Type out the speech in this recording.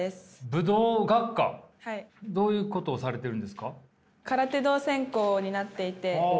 どういうことをされてるんですか？